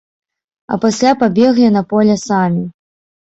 А пасля пабеглі на поле самі!